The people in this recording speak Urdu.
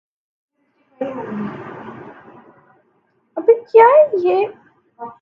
کے ماڈل کی بنیاد